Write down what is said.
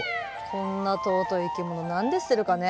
こんな尊い生き物何で捨てるかね。